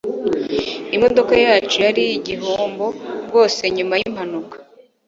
Imodoka yacu yari igihombo rwose nyuma yimpanuka